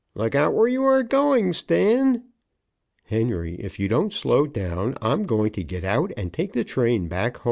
"Look out where you're going, Stan." "Henry, if you don't slow down I'm going to get out and take the train back home."